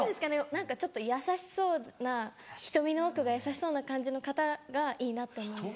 何かちょっと優しそうな瞳の奥が優しそうな感じの方がいいなと思います。